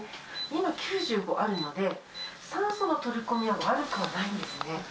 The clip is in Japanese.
今、９５あるので、酸素の取り込みは悪くはないんですね。